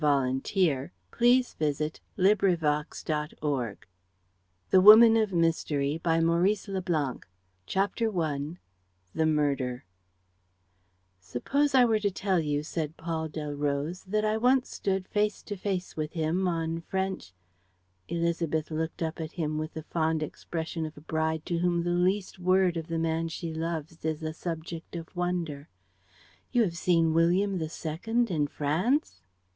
THE DEATH PENALTY AND A CAPITAL PUNISHMENT 330 THE WOMAN OF MYSTERY CHAPTER I THE MURDER "Suppose I were to tell you," said Paul Delroze, "that I once stood face to face with him on French. ..." Élisabeth looked up at him with the fond expression of a bride to whom the least word of the man she loves is a subject of wonder: "You have seen William II. in France?"